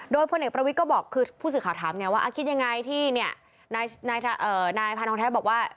โดยพลเอกประวิทย์ก็บอกคือผู้สื่อข่าวถามไงว่าคิดยังไงที่เนี่ยนายพานทองแท้บอกว่า